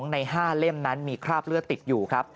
ใน๕เล่มนั้นมีคราบเลือดติดอยู่ครับ